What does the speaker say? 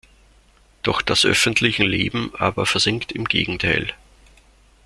Doch das öffentliche Leben aber versinkt im Gegenteil.